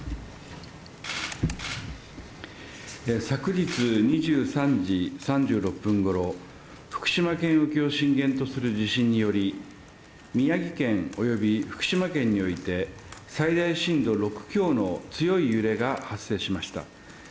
昨日２３時３６分頃、福島県沖を震源とする地震により宮城県および福島県において最大震度６強の強い揺れが発生しました。